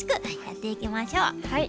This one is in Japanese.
はい。